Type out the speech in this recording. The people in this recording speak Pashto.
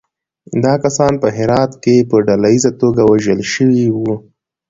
دا کسان په هرات کې په ډلییزه توګه وژل شوي وو.